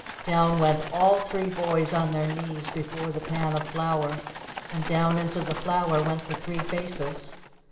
] Down went all three boys on their knees before the pan of flour and down into the flour went the three faces.